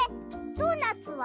ドーナツは？